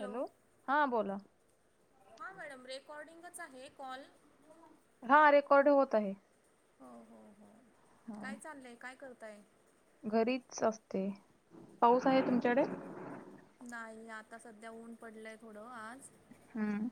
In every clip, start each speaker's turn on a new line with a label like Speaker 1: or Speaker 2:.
Speaker 1: Hello, हा बोला
Speaker 2: हा मॅडम रेकॉर्डिंगच आहे कॉल
Speaker 1: हा रेकॉर्ड होत आहे.
Speaker 2: हो-हो-हो काय चाललंय काय करताय.
Speaker 1: घरीच असते पाऊस आहे तुमच्याकडे
Speaker 2: नाही. आता सध्या ऊन पडलंय थोडं आज
Speaker 1: हम्म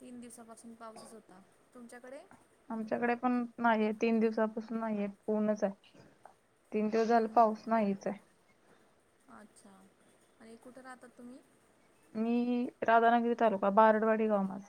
Speaker 2: तीन दिवसापासून पाऊसच होता. तुमच्याकडे
Speaker 1: आमच्याकडे पण नाहीये तीन दिवसापासून नाहीय ऊनच आहे. तीन दिवस झालं
Speaker 2: हम्म,
Speaker 1: पाऊस नाहीच आहे.
Speaker 2: अच्छा आणि कुठं राहतात तुम्ही
Speaker 1: मी राधानगिरी तालुका बारडवाडी गाव माझं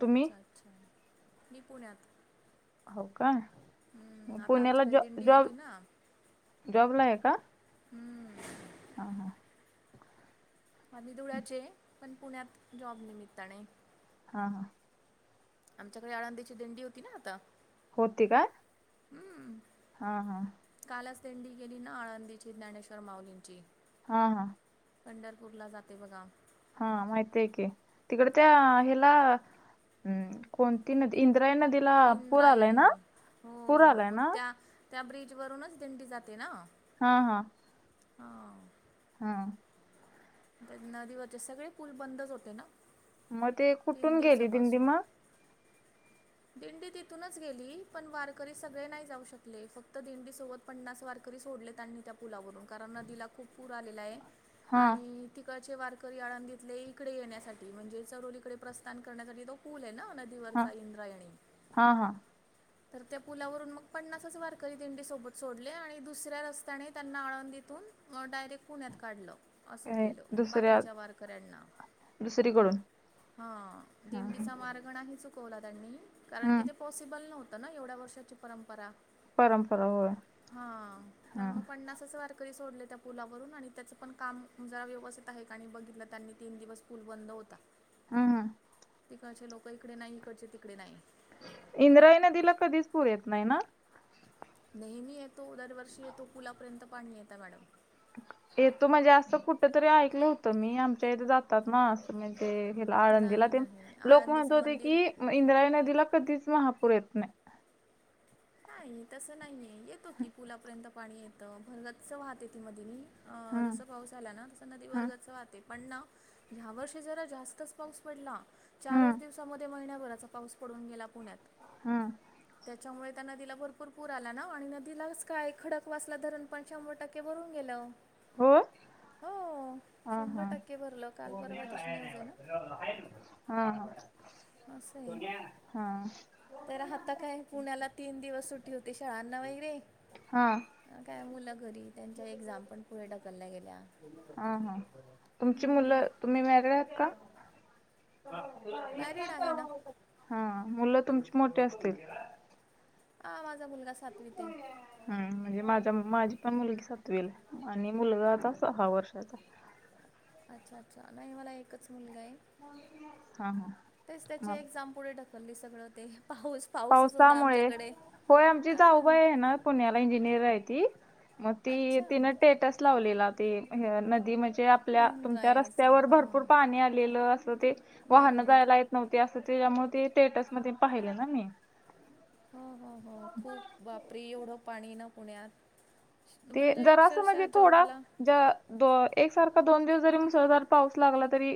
Speaker 1: तुम्ही
Speaker 2: अच्छा-अच्छा मी पुण्यात
Speaker 1: हो का
Speaker 2: हम्म, आता
Speaker 1: पुण्याला
Speaker 2: आमच्याकडे
Speaker 1: ज
Speaker 2: दिंडी होती ना
Speaker 1: जॉब-जॉबला आहे का
Speaker 2: हम्म
Speaker 1: ह हां.
Speaker 2: माधी ुरा्याचे पण पुण्यात जॉब निमित्ताने
Speaker 1: हा हा.
Speaker 2: आमच्याकडे आळंदीची दिंडी होती ना आता
Speaker 1: होती काय?
Speaker 2: हम्म,
Speaker 1: हा हा.
Speaker 2: कालच देंडी गेली ना आळंदीची ज्ञानेश्वर माउलींची
Speaker 1: हा हा.
Speaker 2: पंढरपूरला जाते बघा
Speaker 1: हा माहती आहे की तिकड त्या हिला. हम्म, कोणती नदी इंद्रा नदी
Speaker 2: इंद्रायणी हो
Speaker 1: आलाय
Speaker 2: मग
Speaker 1: ना
Speaker 2: त्या-त्या ब्रीजवरूनच दिंडी जाते ना
Speaker 1: हा-हा
Speaker 2: हां
Speaker 1: हां
Speaker 2: तर नदीवरचे सगळे पूल बंदच होते ना.
Speaker 1: मग ते
Speaker 2: तीन
Speaker 1: कुठून गेली दिंडी
Speaker 2: दिवसापासून
Speaker 1: मग.
Speaker 2: दिंडी तिथूनच गेली पण वारकरी सगळे नाही जाऊ शकले फक्त दिंडी सोबत. पन्नास वारकरी सोडले त्यांनी त्या पुलावरून कारण नदीला खूप पूर आलेला आहे
Speaker 1: हा
Speaker 2: आणि. तिकडचे वारकरी आळंदितले इकडे येण्यासाठी म्हणजे चरोलीकडे प्रस्थान करण्यासाठी तो पूल आहे ना.
Speaker 1: हा
Speaker 2: ववरचा इंद्रायणी.
Speaker 1: हा हा
Speaker 2: तर त्या पुलावरून मग पन्नासच वारकरी दिंडी सोबत सोडले आणि दुसऱ्या रस्त्याने त्यांना आळून दथून. म ायरेक्ट पुण्यात काढलं असं
Speaker 1: ए
Speaker 2: केल
Speaker 1: दुसऱ्या
Speaker 2: बाकीच्या वारकऱ्यांना
Speaker 1: दुसरीकडून
Speaker 2: हा
Speaker 1: हा
Speaker 2: दिंडीचा मार्ग नाही चुक चवला त्यांनी कारण कि
Speaker 1: हम्म
Speaker 2: ते पॉसिबल नव्हतं ना एवढ्या वर्षाची परंपरा
Speaker 1: परंपरा होय
Speaker 2: हा
Speaker 1: हा
Speaker 2: तर मग पन्नासाच वार करी सोडले त्या पुलावरून आणि त्याचं पण काम मु जरा व्यवस्थित आहे आणि बघितलं त्यांनी तीन दिवस पूल बंद होता..
Speaker 1: हम् हम..
Speaker 2: तिकडचे लोक इकडे नाही इकडचे तिकडे नाही..
Speaker 1: इंद्राय नदीला कधीच पूर येत नाही ना..
Speaker 2: नेहमी येतो दरवर्षी येतो पुलापर्यंत पाणी येत मॅडम
Speaker 1: येतो म्हणजे असं कुठ तरी ऐकलं होतं मी आमच्या इथे जात.. ना अस म्हण ते आळंदला
Speaker 2: नाही
Speaker 1: ते
Speaker 2: नाही
Speaker 1: लोक म्हणत
Speaker 2: आळंदीचं
Speaker 1: होते
Speaker 2: मंदिर
Speaker 1: की इंद्राई नदीला कधीच महापूर येत नाही..
Speaker 2: नाही तसं नाहीये येतो की पुलापर्यंत पाणी येतं भरगातच वाहत य ती मध म अ
Speaker 1: हम्म
Speaker 2: जसं पाऊस आला ना तसं नदी
Speaker 1: हम्म
Speaker 2: वर्गच वाहते.. पण ना ह्या वर्षी जरा जास्तच पाऊस पडला चारच
Speaker 1: हम्म
Speaker 2: दिवसामध्ये महिन्याभराचा पाऊस पडून गेला पुण्यात
Speaker 1: हम्म.
Speaker 2: त्याच्यामुळे.. आता नदीला भरपूर पूर आला ना आणि नदीलाच काय खडक वासला धरणपण शंभर टक्के भरून गेलं..
Speaker 1: होय
Speaker 2: हो
Speaker 1: हा
Speaker 2: शंभर
Speaker 1: हा
Speaker 2: टक्के भरलं काल परवाधच मऊजे ना
Speaker 1: हा ह..
Speaker 2: असं आहे तर आता काय पुण्याला तीन दिवस सुटी होते शाळांना वगैरे
Speaker 1: हा-.
Speaker 2: काय मुलं घरी त्यांच्या एक्झाम पण पुढे ढकलल्या गेल्या..
Speaker 1: हम हम.. तुमची
Speaker 2: हं,
Speaker 1: मुलं तुम्ही वेगळेह का.
Speaker 2: मॅरिड आहे ना?
Speaker 1: हा मुलं तुमची मोठी असतील.
Speaker 2: हा माझा मुलगा सातवी ते.
Speaker 1: हम्म म्हणजे माझा माझी पण मुलगी सातवेल आणि मुलगा आता सहा वर्षाचा.
Speaker 2: अच्छा अच्छा नाही मला एकच मुलगा आहे
Speaker 1: हा हा
Speaker 2: तेच त्याचे
Speaker 1: मग
Speaker 2: एझाम. पुढे ढकलली सगळं ते पाऊस. पाऊसच होता
Speaker 1: पावसामुळे.
Speaker 2: आमच्याकडे.
Speaker 1: होय आमची जाऊबाई आहे ना पुण्याला इंजिनिअर आहे ती मग ती
Speaker 2: अच्छा.
Speaker 1: तिन टेट. लावलेला ते नदी म्हणजे. आपल्या तुमच्या
Speaker 2: इंद्रायणीचा.
Speaker 1: रस्त्यावर भरपूर
Speaker 2: हां,
Speaker 1: पाणी आलेलं अस ते वाहनं
Speaker 2: बरोबर.
Speaker 1: जायला. नव्हती असं ते त्यामुळे ते थएटस मध्ये पाहिले ना मी.
Speaker 2: हो हो हो खूप बापरी एवढं पाणी ना पुण्यात.
Speaker 1: ते
Speaker 2: म्हणजे
Speaker 1: जरा असं
Speaker 2: अक्षरशः
Speaker 1: म्हणजे थोडा
Speaker 2: जॉबला
Speaker 1: ज द एकसारखा दोन दिवस जरी मुसळधार पाऊस लागला तरी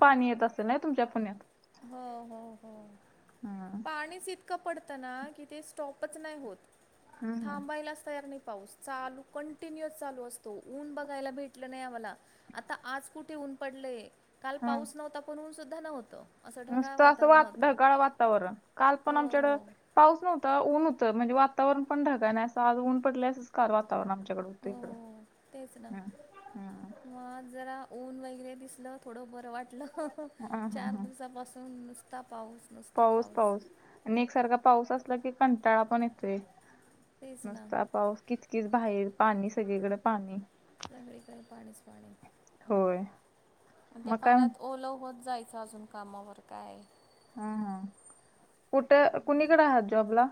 Speaker 1: पाणी येत असेल ना तुमच्या पुण्यात
Speaker 2: हो हो हो
Speaker 1: हम्म
Speaker 2: पाणीच इं इतकं पडतं ना कि ते स्टॉपच नाही होत
Speaker 1: हम्म हम्म.
Speaker 2: थांबायलाच तयार नाही पाऊस चालू कंटिन्युअस चालू असतो ऊन बघायला भेटलं नाही आम्हाला. आता आज कुठे ऊन पडलेय काल
Speaker 1: हम्म
Speaker 2: पाऊस नव्हता पण ऊन सुद्धा नव्हतं. असं ढगाळ
Speaker 1: नुसतं असं वा
Speaker 2: वातावरण होतं
Speaker 1: ढगाळ वातावरण काल पण
Speaker 2: हो
Speaker 1: आमच्याकडं
Speaker 2: हो
Speaker 1: पाऊस नव्हता ऊन होतं म्हणजे वातावरण पण ढगाय नाही असं आज ऊन पडलंय असंच कार वातावरण आमच्याकड होत
Speaker 2: हो
Speaker 1: इकड
Speaker 2: हो तेच ना
Speaker 1: हम्म. हम्म.
Speaker 2: मग जरा ऊन वगैरे दिसलं थोडं बरं वाटलं.
Speaker 1: हा हा
Speaker 2: चार
Speaker 1: हा
Speaker 2: दिवसापासून नुसता पाऊस नुस
Speaker 1: पाऊस पाऊस एकसारखा पाऊस असला की कंटाळा पण येतोय.
Speaker 2: तेच ना
Speaker 1: नुसता पाऊस किचकीच बाहेर पाणी सगळीकडे पाणी.
Speaker 2: सगळीकडे पाणीच पाणी
Speaker 1: होय.
Speaker 2: आणि त्या
Speaker 1: मग काय म्हण
Speaker 2: पाण्यात ओल होत जायचं अजून कामावर काय.
Speaker 1: हम्म हम्म, कुठ कुणीकड आहात जॉबला.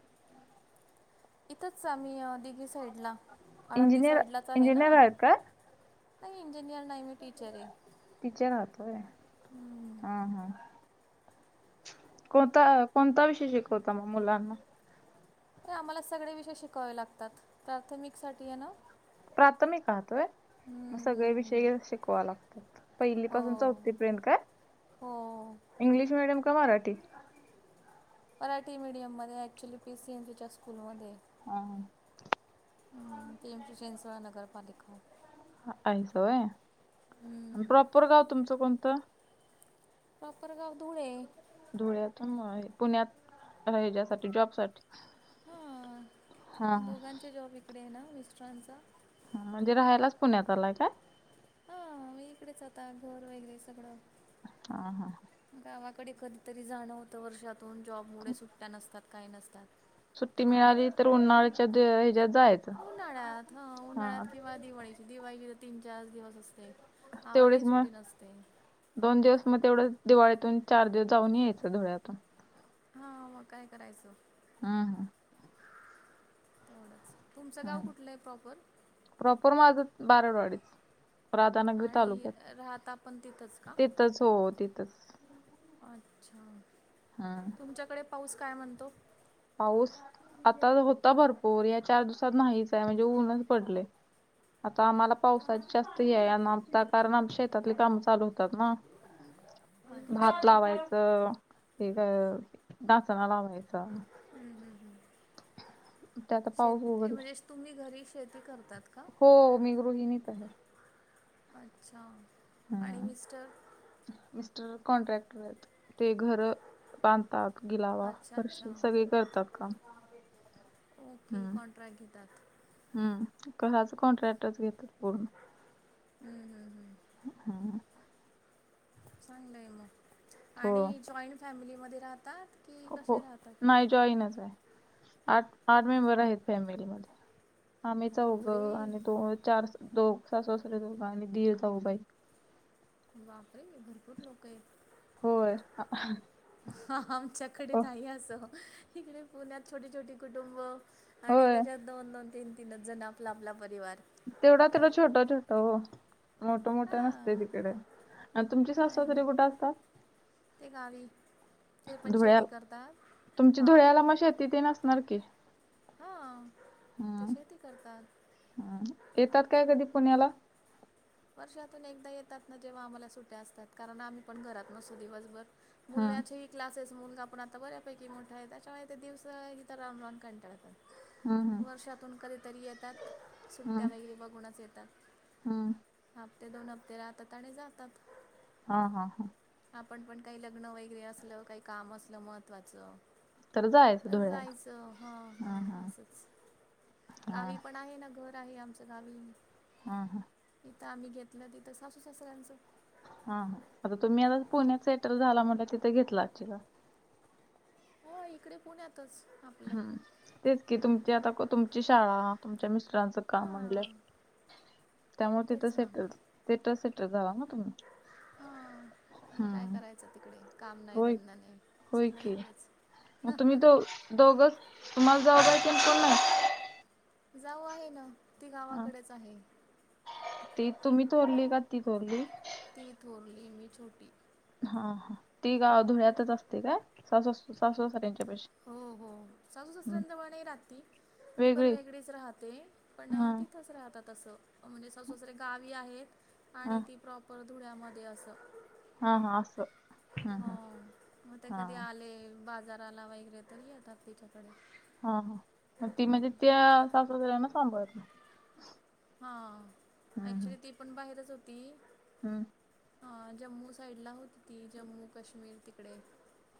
Speaker 2: इथंच आम्ही दिघी साईडला आळंदी
Speaker 1: इंजिनियर
Speaker 2: साईडलाच आहे ना.
Speaker 1: इंजिनियर आहेत का
Speaker 2: नाही इंजिनीयर नाही मी टीचर आहे.
Speaker 1: टीचर आहात होय हम्म हम्म. कोणता कोणता विषय शिकवता मग मुलांना?
Speaker 2: तर आम्हाला सगळे विषय शिकावे लागतात प्राथमिक साठी आहे ना.
Speaker 1: प्राथमिक आहात होय मग
Speaker 2: हम्म, हम्म,
Speaker 1: सगळे
Speaker 2: हम्म.
Speaker 1: विषय शिकवाय लागतात. पहिली पाासून
Speaker 2: हो
Speaker 1: चौती पर्यंत काय?
Speaker 2: हो.
Speaker 1: इंग्लिश मिडियम का मराठी?
Speaker 2: मराठी मीडियमध्ये एकचूल्ली पी सी एन सीच्या स्कूलमध्ये.
Speaker 1: हा.
Speaker 2: पी एम सेन सोळा नगरपालिका.
Speaker 1: आहेसा होय आणि प्रॉपर गाव तुमचं कोणतं?
Speaker 2: प्रॉपर गाव धळे.
Speaker 1: धुळ्यातुन पुण्यात हेज्यासाठी जॉब साठी.
Speaker 2: हा दोघांच्या जॉब इकडे आहे ना मिस्टरांचा.
Speaker 1: म्हणजे राहायलाच पुण्यात आलाय काय?
Speaker 2: हा मी इकडेच आता घर वगैरे सगळं.
Speaker 1: हा हा.
Speaker 2: गावाकडे कधीतरी जाण होतं वर्षातून जॉबमुळे सुट्ट्या नसतात काही नसतात.
Speaker 1: सुट्टी मिळाली तर उन्हाळ्याच्या ह्याच्यात जायच.
Speaker 2: उन्हाळ्यात ह उन्हाळ्यात किंवा दिवाळीची दिवाळी तीन चार दिवस असते.
Speaker 1: तेवढेच
Speaker 2: आम्हालाही
Speaker 1: मग
Speaker 2: सुट्टी नसते
Speaker 1: दोन दिवस मग तेवढच दिवाळीतून चार दिवस जाऊन यायचं धुळ्यातून.
Speaker 2: हा मग काय करायचं.
Speaker 1: हम्म हम्म.
Speaker 2: तेवढंच तुमचं गाव
Speaker 1: हम्म.
Speaker 2: कुठलं आहे प्रॉपर?
Speaker 1: प्रॉपर माझं बाराडवाडीच. राधानगरी
Speaker 2: आणि
Speaker 1: तालुक्यात
Speaker 2: राहता पण तिथंच का?
Speaker 1: तिथंच हो तिथंच.
Speaker 2: अच्छा.
Speaker 1: हम्म.
Speaker 2: तुमच्याकडे पाऊस काय म्हणतो?
Speaker 1: पाऊस आता होता भरपूर या चार दिवसात नाहीचाय आहे म्हणजे ऊनच पडले. आता आम्हाला पावसाची जास्त हे हाय आणि आता कारण आमच्या शेतातले काम चालू होतात ना.
Speaker 2: [inaudible]
Speaker 1: भात लावायचं हे क नाचणा लावायचा.
Speaker 2: हम् हम् हम्
Speaker 1: ते आता पाऊस
Speaker 2: श
Speaker 1: उघडला
Speaker 2: म्हणजे तुम्ही घरी शेती करतात का?
Speaker 1: हो मी गृहिणी च आहे.
Speaker 2: अच्छा आणि
Speaker 1: हम्म.
Speaker 2: मिस्टर
Speaker 1: मिस्टर कॉन्ट्रॅक्टर आहेत. ते घर बांधतात गिलावा,
Speaker 2: अच्छा
Speaker 1: फरशी,
Speaker 2: अच्छा
Speaker 1: सगळे करतात काम
Speaker 2: ओके कॉन्ट्रॅक्ट घेतात.
Speaker 1: हम्, घराच कॉन्ट्रॅक्टच घेतात पूर्ण.
Speaker 2: हम्म हम् हम्म
Speaker 1: हम्
Speaker 2: चांगलंय मग
Speaker 1: हो
Speaker 2: आणि जॉईंट फॅमिलीमध्ये राहतात की
Speaker 1: हो
Speaker 2: कसे राहतात
Speaker 1: नाही जोईनच आहे. आठ, आठ मेंबर आहेत फॅमिलीमध्ये आम्ही चौघ
Speaker 2: बापरे
Speaker 1: आणि दो चार दोघ सासू सासरे धरून आणि दीर जाऊबाई
Speaker 2: बापरे भरपूर लोक येत.
Speaker 1: होय
Speaker 2: ह आमच्याकडे
Speaker 1: अ,
Speaker 2: नाही असं इकडे पुण्यात छोटी छोटे कुटुंब आणि
Speaker 1: होय
Speaker 2: त्याच्यात दोन दोन, तीन तीनच जण आपला आपला परिवार.
Speaker 1: तेवढा तेवढा
Speaker 2: काय
Speaker 1: छोटा छोटा हो मोठ मोठे नसते
Speaker 2: हां
Speaker 1: तिकडे तुमची सासू
Speaker 2: नाही ना
Speaker 1: सासरे कुठ असतात
Speaker 2: ते गावी. ते पण
Speaker 1: धुळ्या,
Speaker 2: शेती करतात
Speaker 1: तुमची
Speaker 2: हां
Speaker 1: धुळ्याला मग शेतीत तेन असणार की
Speaker 2: हां ते
Speaker 1: हम्म
Speaker 2: शेती करतात
Speaker 1: हम येतात काय कधी पुण्याला?
Speaker 2: वर्षातून एकदा येतात ना जेव्हा आम्हाला सुट्या असतात, कारण आम्ही पण घरात नसतो दिवसभर
Speaker 1: हं,
Speaker 2: मुलाची क्लासेस मुलगा पण आता बऱ्यापैकी मोठा आहे त्याच्यामुळे ते दिवस इथं राऊन राऊन कटाळतात.
Speaker 1: हं, हं,
Speaker 2: वर्षातून कधीतरी येतात सुट्ट्या वैगेरे बघूनच येतात.
Speaker 1: हम्म
Speaker 2: हप्ते दोन हप्ते राहतात आणि जातात.
Speaker 1: हा हा हा
Speaker 2: आपण पण काही लग्न वगैरे असलं काही काम असलं महत्वाचं
Speaker 1: तर जायचं
Speaker 2: तर
Speaker 1: धुळ्याला.
Speaker 2: जायचं हा हा
Speaker 1: हं, हं,
Speaker 2: असच,
Speaker 1: हं,
Speaker 2: गावी पण आहे ना घर. [unintelligible] आहे आमच गावी.
Speaker 1: हा हा
Speaker 2: इथ आम्ही घेतलं, तिथं सासू सासऱ्यांचं.
Speaker 1: हा हा आता तुम्ही आता पुण्यात सेटल झाला म्हट तिथे घेतला आचीला
Speaker 2: हो इकडे पुण्यात. इथच आप
Speaker 1: हम् तेच कि तुमची आता तुमची शाळा, तुमच्या मिस्टरांचं काम म्हणलं
Speaker 2: हां
Speaker 1: त्यामुळे तिथं
Speaker 2: तेच ना
Speaker 1: सेटल तिथ सेटल झाला ना तुम्ही
Speaker 2: हां मग काय
Speaker 1: हम् -
Speaker 2: करायचं तिकडे काम नाही
Speaker 1: होय
Speaker 2: धंदा नाही
Speaker 1: होय
Speaker 2: सगळं
Speaker 1: की
Speaker 2: इकडेच
Speaker 1: मग तुम्ही दो दोघच तुम्हाला जाऊबाई तेन कोण नाही?
Speaker 2: जाऊ आहे ना ती
Speaker 1: हां.
Speaker 2: गावाकडेच आहे.
Speaker 1: ती तुम्ही थोरली का ती थोरली?
Speaker 2: ती थोरली मी छोटी.
Speaker 1: हा हा ती गा धुळ्यातच असते काय स सासु सासऱ्यांच्यापेक्षा
Speaker 2: हो हो सासू सासऱ्याजवळ नाही राहत ती ती पण
Speaker 1: वेगळी
Speaker 2: वेगळीच राहते पण
Speaker 1: हा
Speaker 2: तिथंच राहतात तसं म्हणजे सससरे गावी आहेत
Speaker 1: हा
Speaker 2: आणि ती प्रॉपर धुळ्यामध्ये असं
Speaker 1: हा हा असस
Speaker 2: हो मग ते कधी आले बाजाराला वगैरे तरी येतात तिच्याकडे.
Speaker 1: हा हा मग ती
Speaker 2: हां
Speaker 1: म्हणजे त्या सासु-सासऱ्याना सांभाळते
Speaker 2: हा ऍक्चुली ती पण बाहेरच होती
Speaker 1: हम्म
Speaker 2: हा जम्मू साईड ला होती ती जम्मू काश्मीर तिकडे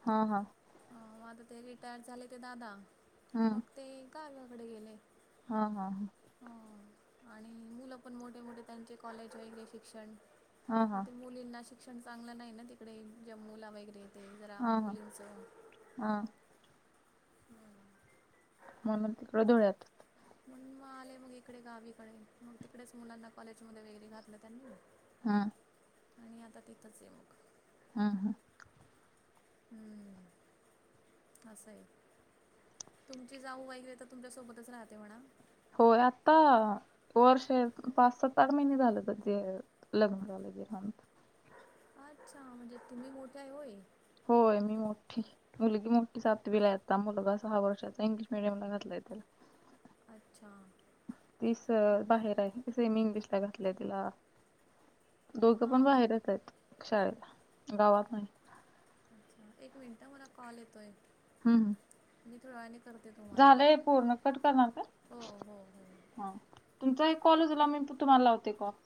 Speaker 1: हा हा
Speaker 2: हो आता ते रिटायर झाले ते दादा
Speaker 1: हम्म.
Speaker 2: मग ते गावाकडे गेले
Speaker 1: हा हा हा
Speaker 2: अ, आणि मुलं पण मोठे मोठे त्यांचे कॉलेज वगैरे शिक्षण
Speaker 1: हा
Speaker 2: तर
Speaker 1: हा
Speaker 2: ते मुलींना शिक शिक्षण चांगलं नाही ना तिकडे ज्या मुला वगैरे येते जरा
Speaker 1: हा हा
Speaker 2: मुलींचं
Speaker 1: हा
Speaker 2: [inaudible]
Speaker 1: म्हणून तिकडं धुळ्यात
Speaker 2: मग मग आले मग इकडे गावीकडे मग तिकडेच मुलांना कॉलेजमध्ये वगैरे घातलं त्यांना
Speaker 1: हम्म
Speaker 2: आणि आता तिथंच आहे मग
Speaker 1: हम्म हम्म
Speaker 2: हम्म असं आहे तुमची जाऊ वगैरे तर तुमच्यासोबतच राहते म्हणा
Speaker 1: होय आता वर्ष पाच सता आठ महिने झालं तर जे लग्न होऊन
Speaker 2: अच्छा म्हणजे तुम्ही मोठ्या आहे होय
Speaker 1: होय मी मोठी मुलगी मोठी सातवीला आहे मुलगा सहा वर्षाचा इंग्लिश मिडियमला घातला आहे त्याला
Speaker 2: अच्छा
Speaker 1: तीच
Speaker 2: ओके
Speaker 1: बाहेर आहे सेमी इंग्लिशला घातलंय तिला दोघं पण
Speaker 2: हां
Speaker 1: बाहेरच आहेत शाळेला गावात नाही
Speaker 2: अच्छा एक मिनिटं मला कॉल येतोय
Speaker 1: हम्म हम्म
Speaker 2: मी थोड्या वेळाने करते तुम्हाला
Speaker 1: झालंय
Speaker 2: हम्म
Speaker 1: पूर्ण कट करणार का
Speaker 2: हो हो हो
Speaker 1: हा तुमचा एक कॉल उचला मी तुम्हाला लावते काॅल